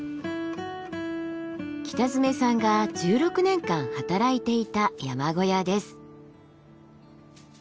北爪さんが１６年間働いていた山小屋です。